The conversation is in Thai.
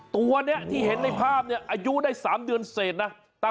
ตัวนี้ที่เห็นในภาพอายุได้๓เดือนเสร็จนะ